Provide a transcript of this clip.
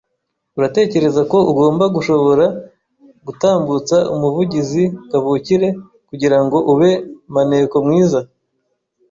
Uratekereza ko ugomba gushobora gutambutsa umuvugizi kavukire kugirango ube maneko mwiza?